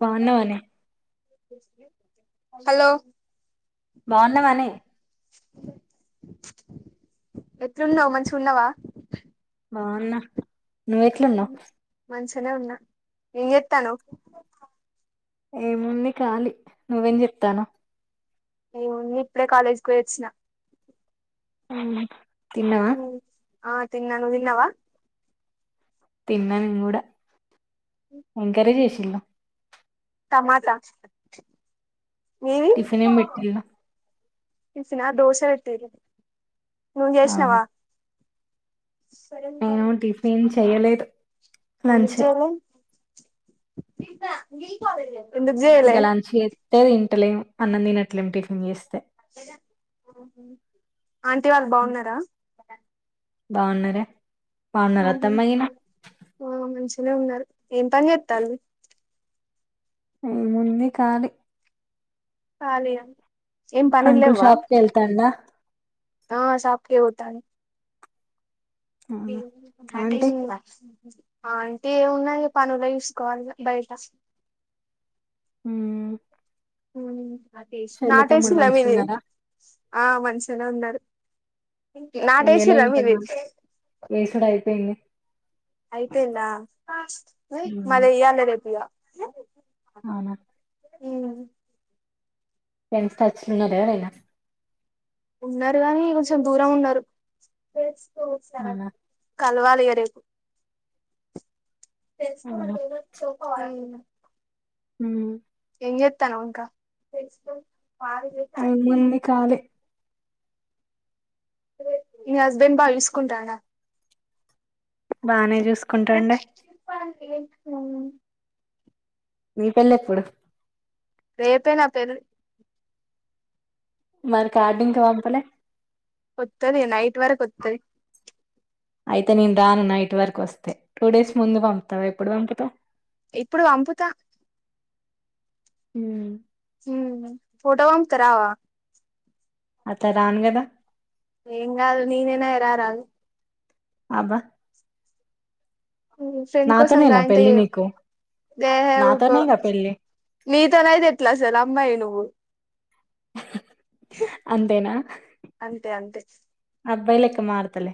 బావున్నావు అనే హలో బావున్నావానే ఎట్లున్నావు మంచిగా ఉన్నావా బాగున్నా నువ్వెట్లున్నావు ఇట్లానే ఉన్నా ఏం చేత్తాన్నావు ఏముంది ఖాళీ నువ్వేం చేత్తన్నావ్ ఏం ఉంది ఇప్పుడే కాలేజీకి పొయి వచ్చినా తిన్నావా ఆ తిన్నాను నువ్వు తిన్నవా తిన్న నిను కూడ ఎం కర్రీ చేసిల్లు టమాటా టిఫిన్ ఎం పెట్టీల్ల టిఫెన దోశ పెట్టిండ్రు అవునా నేను టిఫిన్ చెయ్యలేదు ఎందుకు లంచే చెయ్యాల తింటా నికు ఇ కాదర్లే [unintelligible] గల చేత్తే తింటలేం అన్నం తినట్లే అనిపిలే టిఫిన్ చేస్తే ఆంటీ వాళ్ళు బాగున్నారా బాగున్నరేరా బాగున్నార ఉహు అత్తమ్మాయినా ఆ మంచిగానే ఏం పని చెత్తండరు ఏముంది ఖాళీ ఖాళీ గా ఏం పనులు అంకుల్ లేవా షాప్ కి వెళ్తాండా అవునా మ్మ్ ఆంటీ [unintelligible] అంటే ఏమున్నాయి పనులే చూసుకోవాలి ఇగ బయట ఉ నాటేసి ఇలా మీది మంచిగున్నారా ఆ మంచిగానే ఉన్నాడు ఇయాలా ఈ పది నాళ్లు ఏసుడు అయిపోయింది అయిపోయిందా మ్మ్. మరి ఇయలే రేపు ఇగా అవునా ఉమ్. ఫ్రెండ్స్ టచ్ లో ఉన్నారా ఎవరైనా ఉన్నారు గాని కొంచం దూరం ఉన్నారు అవునా కలవనియ్యలేదు అవునా [inaudible] ఉ ఏం చెత్తన్నావ్ ఇంకా ఏముంది ఖాళీ మీ హస్బెండ్ బా చసుకుంటారా బానే చూస్త ప్రెండ్స్ చెప్పండి ఉమ్ నీ పెళ్ళి ఎప్పుడు రేపే నా పెళ్ళి మరి కార్డు ఇంకా పంపలే వత్తాది నైట్ వరకు వత్తాది అయితే నేను రాను నైట్ వరకు వస్తే టూ డేస్ ముందు పంపుతావా ఎప్పుడు పంపుతావు ఇప్పుడు అంపుతా హుమ్ ఫోటోం వంకా రావా అట్లా రాను కదా ఎం గాదు నేనుగా రారాదు అబ్బా ఉహుమ్ ఫ్రెండ్ కోసం గా నాతోనేనా ఇంత పెళ్ళి చేయ్యవు నీకు దేహే ఊకు నాతోనేగా పెళ్ళి మీతో నయితే ఎట్లాసలు అమ్మాయి నువ్వు అంతేనా అంతే అంతే అబ్బాయి లెక్క మారతలే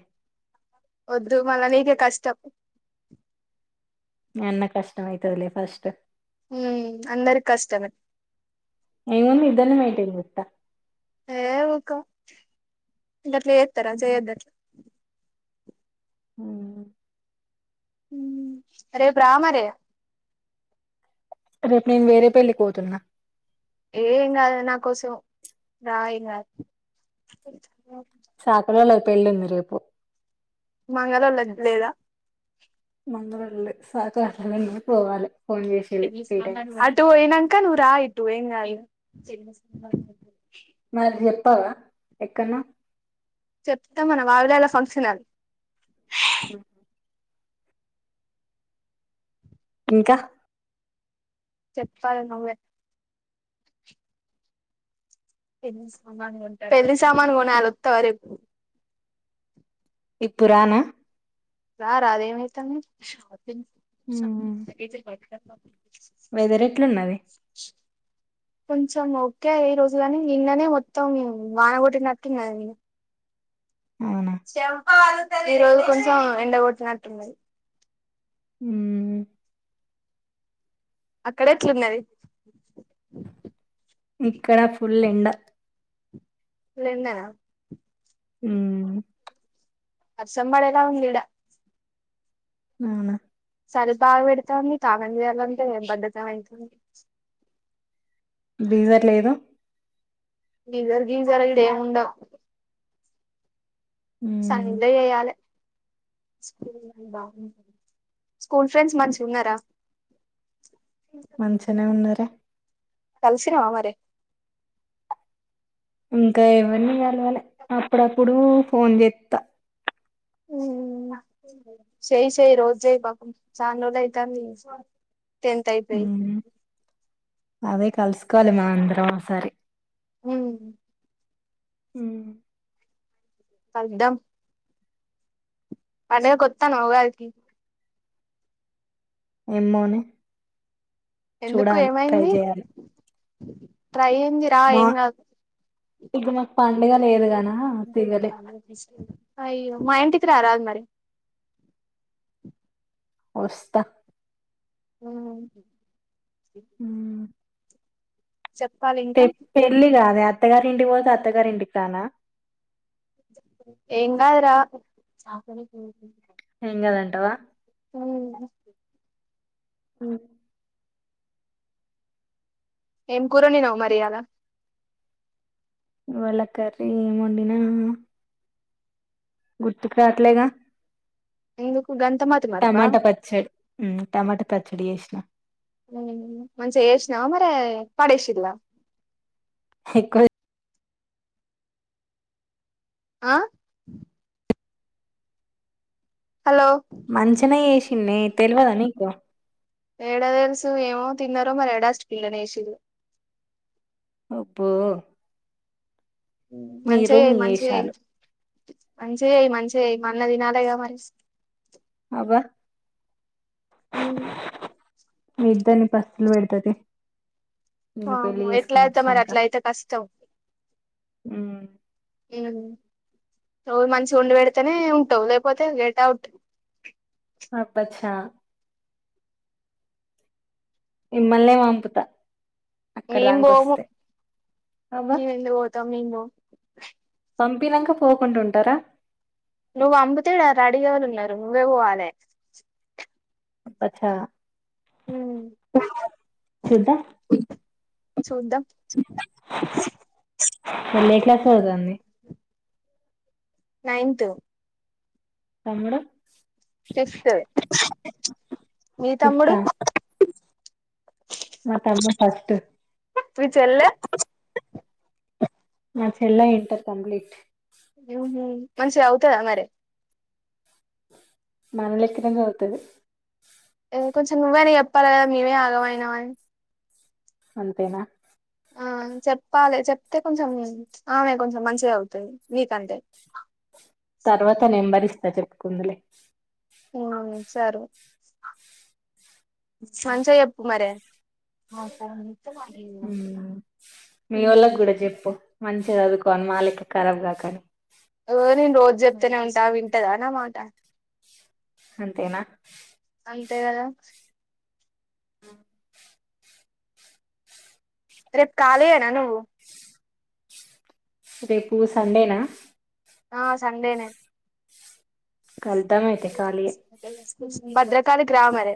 వొద్దు మళ నీకే కష్టం మీ అన్న కష్టం మైతదిలే ఫస్ట్ హ్మ్ అందరికి కష్టమే ఇం ఇద్దరీనీ మెయింటైన్ చేస్తా ఏ ఊకో ఇంకా అట్లా చేతార చేయొద్దుట్లు హ్మ్ అరే బ్రా్మ రే రేపు నేను వేరే పెళ్ళికి పోతున్నా ఏం కాదు లే నా కోసం రా ఏం కాదు అక్కడ వాళ్ళది పెళ్ళి ఉంది రేపు మంగలోలది లేదా మంగళ సాకట్ పోవాలి ఫోన్ చేసిళ్ళు త్రీ టైమ్స్ అటు పోయినక నువ్వు రా ఇట్టు ఏం కాదు మాది చెప్పవా ఎక్కన్నా చెప్తాం మనం ఆవిలలా ఫంక్షన్ అది ఆమ్ ఇంకా చెప్పాలి నవ్వే పెళ్లి సామాన్ కొనాలి వస్తావా రేపు ఇప్పురానా ఆది ఏం అయితది షాపింగ్ వేదర్ ఎట్లా ఉన్నది కొంచెం ఓకే ఏ రోజు గాని నిన్ననే మొత్తాం వాన గొట్టినట్టు ఉన్నాది ఇగ అవునా ఈ రోజు కొంచెం ఎండగొట్టినట్టున్నది మ్మ్ అక్కడ ఎట్లున్నది ఇక్కడ ఫుల్ ఎండ ఫుల్ ఎండనా మ్మ్ వర్షం పడేలా ఉందీడా అవునా సలి బాగా పెడతాంది స్నానం చేయాలంటే బద్ధకమయితుంది. గీజర్ లేదు. గీజర్ గీజర్ ఈడేం ఉండవ్ మ్మ్ సల్నీళ్ళే చేయాలే బాగుంది. స్కూల్ ఫ్రెండ్స్ మంచిగున్నారా మంచినే ఉన్నారే కలిసినవా మరి ఇంకా ఎవర్ని కలవలే. అప్పుడప్పుడు ఫోన్ చేత్తా మ్ చేయ్ చేయ్ రోజు చేయ్ పాపం చాన్ రోజులైతాంది. టెన్త్ అయిపోయి మ్మ్ అదే కలుసుకోవాలి మనం అందరం ఒకసారి మ్ హ్మ్ కలుద్దాం పండగ కొత్తన్నవ ఉగాదికి ఏమోనే ఎందుకు చూడాలి ట్రై ఏమైంది. చేయాలి ట్రై ఏందిరా మా ఏం కాదు ఇక మాకు పండుగ లేదుగానా తిరగలే అయ్యో మా ఇంటికి కి రారదు మరి వస్తా మ్మ్ హు ఉమ్. పె ఇంకా పెళ్ళి కాదే అత్తగారింటికి పోతే అత్తగారింటికి రానా ఏం గాద్ రా ఏం గాదంటావా మ్మ్ ఓ ఏం కూర వండినవు మరి ఇయాల ఇవ్వాళ కర్రీ ఏం వండినా గుర్తుకు రావట్లేదా ఎందుకు గంత మతిమరపా మ్ టమాటా పచ్చడి చేసిన మంచిగ చేసినవ మరి పడేశిర్రా [unintelligible] ఆ హలో మంచిగనే చేసిన్నే తెలవదా నీకు ఏడ తెలుసు ఏమో తిన్నారో మరి ఏడస్ట్ పిన్లో నేసిర్రు పప్పు మంచిగ చెయ్ మంచిగ చెయ్ వేషాలు మంచిగా అయి మంచిగా అయి మల్ల తినాలేగా మరీ అబ్బా అమ్ ఇద్దని పస్తులు పెడతది నేను పెళ్లి వామ్మే ఎట్లా చేసుకొని అయితే మరి వచ్చినాక అట్లాయితే కష్టం ఉమ్, రోజు మంచిగా వండి పెడితేనే ఉంటావు లేకపోతే గెట్ అవుట్ అబ్బ చ్చా మిమ్మల్ని నే పంపుతా అక్కడ మేం దాక బోము వస్తే అబ్బా మేము ఎందుకు పోతాం మేం బోము పంపినాక పోకుండా ఉంటారా నువ్వు అమ్ముతే ఇడా రెడీ గా ఎవరు ఉన్నారు నువ్వే పోవాలే అచ్చా ఉమ్ చుద్దాం చూద్దాం వాళ్ళు ఏ సబ్జెక్ట్ క్లాస్ ఎంతుందో చదువుతుంది నైన్త్ తమ్ముడు మీ తమ్ముడు ఫిఫ్తా మా తమ్మని ఫస్ట్ మీ చెల్లే మా చెల్లయ్ ఇంటర్ కంప్లీట్ ఉనా మంచిగా అవుతాయ మరి మన లెక్కనే చదువు తది కొంచెం నువ్వేనా చెప్పాలి కదా మేమే ఆగమైనామని అంతేనా ఆ చెప్పాలే చెప్తే కొంచెం ఆమె కొంచెం మంచిగా చదువుతాది నీకంటే తర్వాత నెంబర్ ఇస్తా చెప్పుకుందులే ఉం సరే మంచిగా చెప్పు మరి మీ వాళ్ళకు కూడా చెప్పు మంచిగా చదువుకో మళ్ళీ ఇక కరాబ్ కాకండి ఓ నేను రోజు చెప్తతానే ఉంటా వింటదా నామాట అంతేనా అంతే గదా రేపు కాలి యేనా నువ్వు రేపు సండేనా ఆ సండేనే కలుతామయితే ఖాళీ యే భద్రకాళికి రా మరి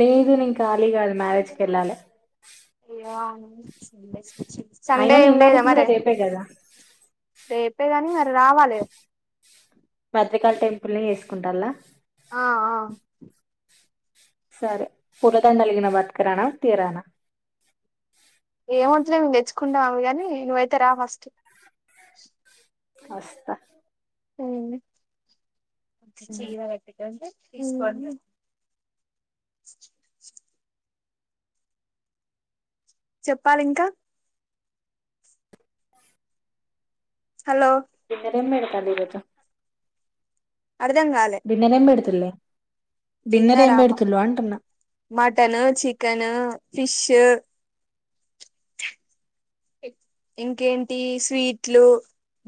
లేదు నిను ఖాళీ కాదు మ్యారేజ్కి వెళ్ళాలే సండే అయినా నీ ఏమి లేదా మ్యారేజ్ కూడా మరి రేపే కదా రేపే గాని మరి రావాలి బద్రికాల టెంపుల్నే చేసుకుంటలా ఆ ఆ సరే పూలదండలు గిన పట్టుకు రాన తీరనా ఏమ్ వద్దులే మిము తెచ్చుకుంటాం గాని కాని నువ్వైతే రా ఫస్ట్ ఆస్తా అవునా చెప్పాలి ఇంకా హలో డిన్నర్ ఏం పెడతారు ఈరోజు అర్ధం కాలే తెల్లే. డిన్నరా మటను చికెను ఫిష్. చె. ఇంకేంటి స్వీట్లు.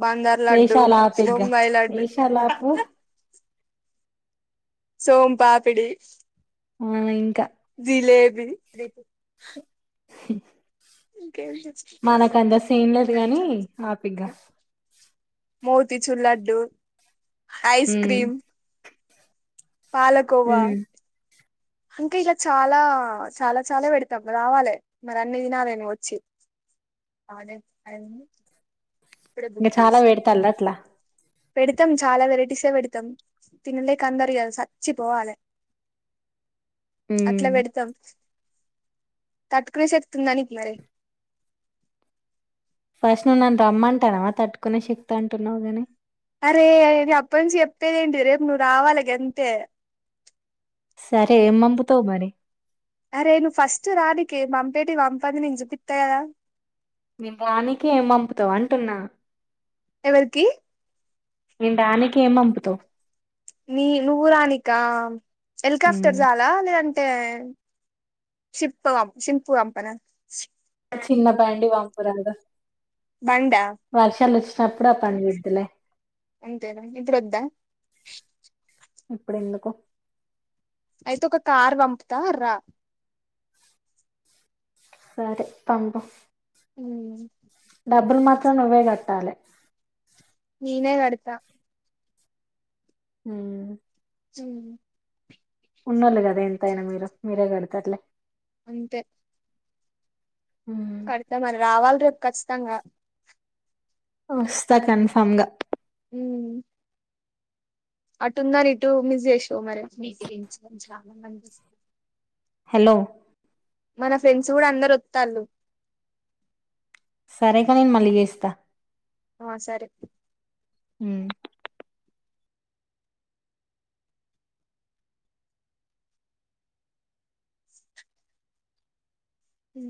బందర్ లడ్డు వేషాలు ఆపు ఇగ బొంబాయ్ లడ్డు. వేషాలు ఆపు సోమ్ పాపిడి. హ్మ్. జిలేబి. హు. ఇంకేంటి మనకు అంత సీన్ లేదు గాని ఆపింగా. Motichoor laddu ice um cream. Palkova. ఉమ్ అంకా ఇలా చాలా చాలా చాలా పెడుతాం రావాలే మరి అన్ని తినాలని వచ్చి. అదే అ. ఇంకా చాలా వెేడతలా అట్లా. పెడతాం చాలా వెరైటీసే పెడుతాం తినలేక అందరు ఇగ సచ్చిపోవాలి.. ఆ. అట్లా పెడుతాం. తట్టుకోనే శక్తి ఉందా మరి. ఫస్ట్ నన్ను రమ్మంటానమ తట్టుకునే శక్తి అంటున్నావు గాని. అరే అప్ప నుంచి చెప్పేదేంటి రేపు నువ్వు రావాలి అంతే. సరే ఏం పంపుతావు మరి. అరే నువ్వు ఫస్ట్ రా నీకు మంపేటి పంపదిని చూపిస్తాయి కదా. మేము రానికి ఏం పంపుతావు అంటున్నా. ఎవరికి. మేము రానీకే ఏం పంపుతావు. నీ నువ్వు రానీకా ఉమ్ హెలికాప్టర్ సలా లేదు అంటే. టే షిప్ షిప్పు పంపనా. చిన్న బండి పంపరాదు. బండా. అప్పుడే పందులే. అంతేనా ఇప్పుడు వద్దా. ఇప్పుడు ఎందుకు. అయితే ఒక కార్ పంపుతా రా. సరే పంపు. హ్మ్. డబ్బులు మాత్రం నువ్వే కట్టాలి. నీనే కడ్త. హ్మ్. హ్మ్. ఉన్నేళ్ళు కదా ఎంతయినా మీరు మీరే కడుతలే. అంతే. ఉమ్. కవిత రావాలి రేపు ఖచ్చితంగా.. వస్తా కన్ ఫామ్ గా. హ్మ్. అటు ఉందాని ఇటు మిస్ చేసేవు. హలో. మన ఫ్రెండ్స్ కూడా అందరు వత్తళ్ళు. సరేగా నేను మళ్ళీ చేస్తా. ఆ సరే. హ అ